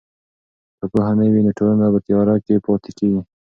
که پوهه نه وي نو ټولنه په تیاره کې پاتې کیږي.